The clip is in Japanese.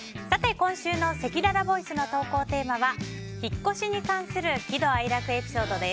今週のせきららボイスの投稿テーマは引っ越しに関する喜怒哀楽エピソードです。